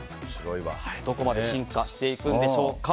どこまで進化していくんでしょうか。